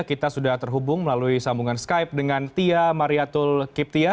kita sudah terhubung melalui sambungan skype dengan tia mariatul kiptia